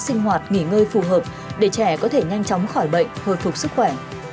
sinh hoạt nghỉ ngơi phù hợp để trẻ có thể nhanh chóng khỏi bệnh hồi phục sức khỏe